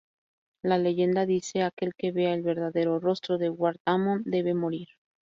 La leyenda dice "¡Aquel que vea el verdadero rostro de Wrath-Amon debe morir!